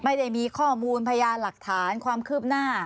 ไม่ได้มีข้อมูลพยานหลักฐานความคืบหน้า